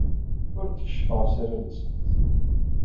Ur d-keccfeɣ lesrar-nsent.